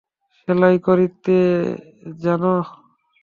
সেলাই করিতে জান।